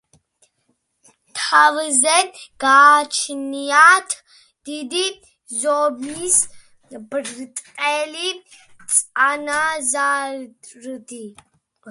თავზე გააჩნიათ დიდი ზომის ბრტყელი წანაზარდი.